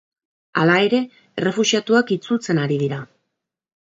Hala ere, errefuxiatuak itzultzen ari dira.